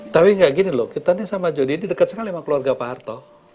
tapi nggak gini loh kita nih sama jody ini dekat sekali sama keluarga pak harto